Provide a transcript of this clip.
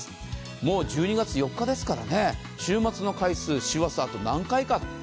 もう１２月４日ですから週末の回数、師走、あと何回か。